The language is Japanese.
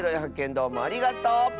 どうもありがとう！